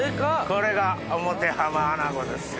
これが表浜アナゴですよ。